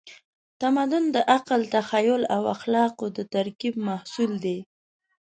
تمدن د عقل، تخیل او اخلاقو د ترکیب محصول دی.